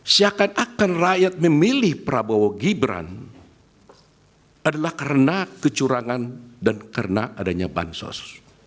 seakan akan rakyat memilih prabowo gibran adalah karena kecurangan dan karena adanya bansos